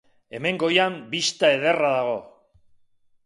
Hemen goian bista ederra dago.